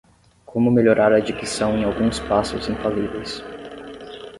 Como melhorar a dicção em alguns passos infalíveis